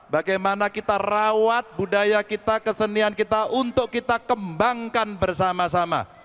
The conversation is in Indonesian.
bagaimana kita rawat budaya kita kesenian kita untuk kita kembangkan bersama sama